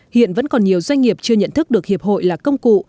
hiện vẫn còn nhiều doanh nghiệp chưa nhận thức được hiệp hội là công cụ